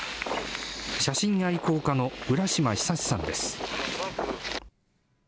写真愛好家の浦島久さんです。